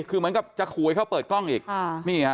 คือเหมือนกับจะขวยเขาเปิดกล้องอีกนี่ครับ